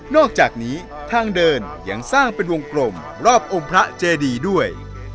อกจากนี้ทางเดินยังสร้างเป็นวงกลมรอบองค์พระเจดีด้วย